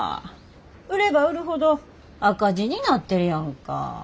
売れば売るほど赤字になってるやんか。